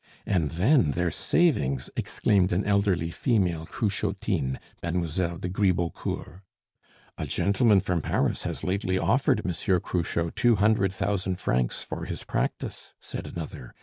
"And then, their savings!" exclaimed an elderly female Cruchotine, Mademoiselle de Gribeaucourt. "A gentleman from Paris has lately offered Monsieur Cruchot two hundred thousand francs for his practice," said another.